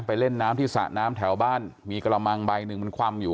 เล่นน้ำที่สระน้ำแถวบ้านมีกระมังใบหนึ่งมันคว่ำอยู่